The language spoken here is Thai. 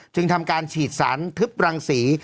จึงทำการฉีดสารทึบรังสี